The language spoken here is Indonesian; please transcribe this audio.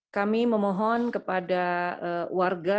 kami memohon kepada warga